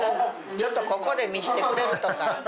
ちょっとここで見せてくれるとか。